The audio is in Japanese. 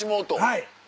はい！